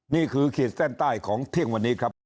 ขีดเส้นใต้ของเที่ยงวันนี้ครับ